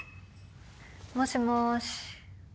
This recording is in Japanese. もしもし。